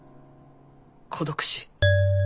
孤独死。